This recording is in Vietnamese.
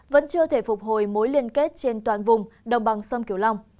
vẫn chưa thể phục hồi mối liên kết trên toàn vùng đồng bằng sông kiều long